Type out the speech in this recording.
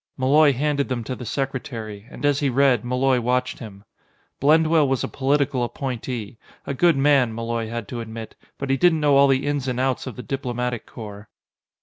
Malloy handed them to the secretary, and as he read, Malloy watched him. Blendwell was a political appointee a good man, Malloy had to admit, but he didn't know all the ins and outs of the Diplomatic Corps.